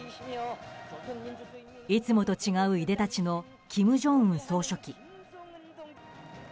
いつもと違ういでたちの金正恩総書記。